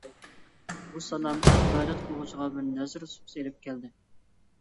بۇ سالام ئىبادەت قىلغۇچىغا بىر نەزىر سۇپىسى ئېلىپ كەلدى.